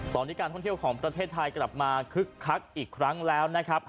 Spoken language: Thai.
ตอนนี้การท่องเที่ยวของประเทศไทยกลับมาคึกคักอีกครั้งแล้วนะครับ